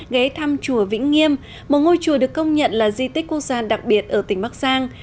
ghé thăm chùa vĩnh nghiêm một ngôi chùa được công nhận là di tích quốc gia đặc biệt ở tỉnh bắc giang